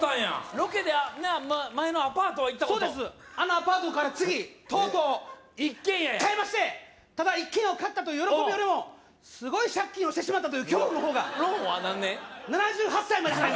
ロケでな前のアパートは行ったことそうですあのアパートから次とうとう一軒家や買いましてただ一軒家を買ったという喜びよりもすごい借金をしてしまったという恐怖の方がローンは何年？